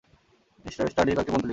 Me স্টার্ডি কয়েকটি প্রবন্ধ লিখবেন।